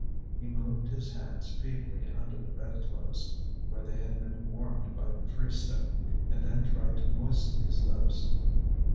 He moved his hands feebly under the bedclothes, where they were being warmed by the freestone, and then tried to moisten his lips.